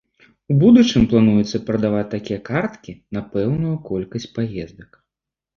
У будучым плануецца прадаваць такія карткі на пэўную колькасць паездак.